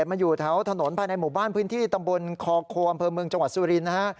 มันอยู่แถวถนนภายในหมู่บ้านพื้นที่ตำบลคอโคอำเภอเมืองจังหวัดสุรินทร์นะฮะ